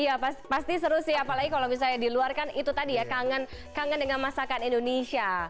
iya pasti seru sih apalagi kalau misalnya di luar kan itu tadi ya kangen dengan masakan indonesia